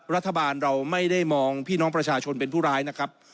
รัฐบาลเราไม่ได้มองพี่น้องประชาชนเป็นผู้ร้ายนะครับ